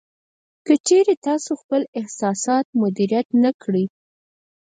که چېرې تاسې خپل احساسات مدیریت نه کړئ